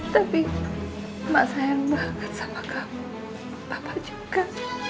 tapi emak sayang banget sama kamu bapak juga